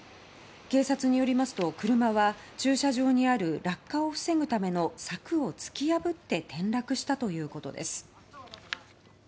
警察によりますと車は駐車場にある落下を防ぐための柵を突き破って転落したということです。